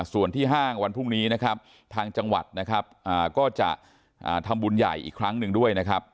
ส่วนที่ห้างวันพรุ่งนี้นะครับทางจังหวัดนะครับก็จะทำบุญใหญ่อีกครั้งหนึ่งด้วยนะครับ